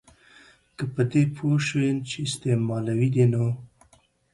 که په دې پوه سوې چي استعمالوي دي نو